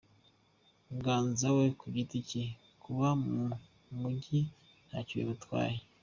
Ganza we ku giti cye kuba mu mujyi ntacyo bimutwaye.